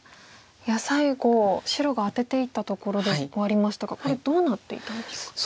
いや最後白がアテていったところで終わりましたがこれどうなっていたんでしょうか。